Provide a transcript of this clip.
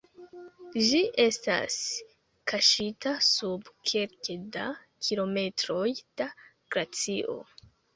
Ĝi estas kaŝita sub kelke da kilometroj da glacio.